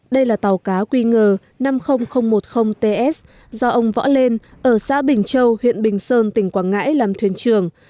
đây là tàu cá q năm mươi nghìn một mươi ts do ông võ lên ở xã bình châu huyện bình sơn tỉnh quảng ngãi làm thuyền trường